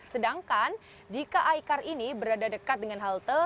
sedangkan jika icar ini berada dekat dengan halte